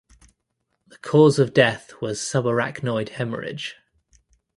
The cause of death was subarachnoid haemorrhage.